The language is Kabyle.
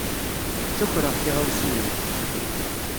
Ttakreɣ tiɣawsiwin.